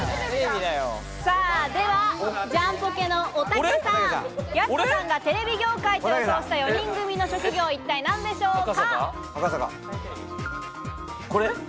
では、ジャンポケのおたけさん、やす子さんがテレビ業界と予想した４人組の職業、一体何でしょうか？